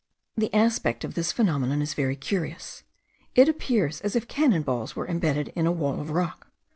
The aspect of this phenomenon is very curious: it appears as if cannon balls were embedded in a wall of rock.